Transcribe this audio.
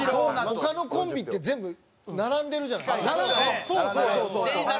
他のコンビって全部並んでるじゃないですか。